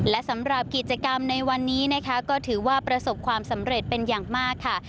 และสำหรับกิจกรรมในวันนี้นะคะก็ถือว่าประสบความสำเร็จเป็นอย่างมากค่ะ